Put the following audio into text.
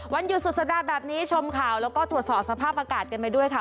วันหยุดสุดสัปดาห์แบบนี้ชมข่าวแล้วก็ตรวจสอบสภาพอากาศกันไปด้วยค่ะ